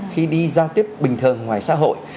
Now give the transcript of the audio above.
khi đi giao tiếp bình thường ngoài xã hội